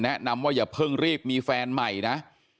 แนะนำว่าอย่าเพิ่งรีบมีแฟนใหม่นะ